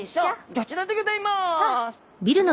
こちらでギョざいます！